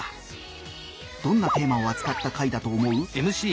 どんなテーマをあつかった回だと思う？